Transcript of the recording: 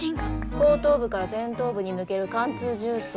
後頭部から前頭部に抜ける貫通銃創。